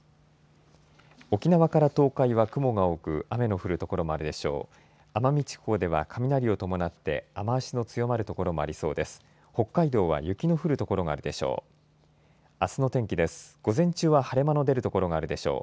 沖縄から東海は雲が多く雨の降る所もあるでしょう。